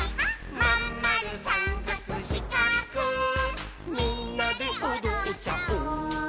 「まんまるさんかくしかくみんなでおどっちゃおう」